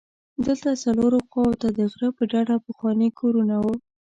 دلته څلورو خواوو ته د غره په ډډه پخواني کورونه وو.